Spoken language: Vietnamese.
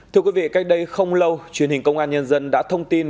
thưa quý vị cách đây không lâu truyền hình công an nhân dân đã thông tin